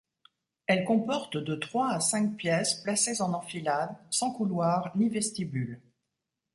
Elles comportent de trois à cinq pièces placées en enfilade, sans couloir ni vestibule.